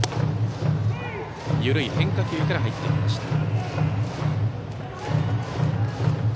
緩い変化球から入りました。